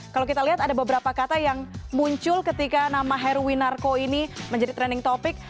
kalau kita lihat ada beberapa kata yang muncul ketika nama heruwinarko ini menjadi trending topic